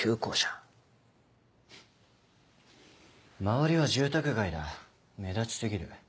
周りは住宅街だ目立ち過ぎる。